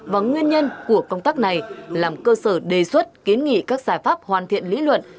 và nguyên nhân của công tác này làm cơ sở đề xuất kiến nghị các giải pháp hoàn thiện lý luận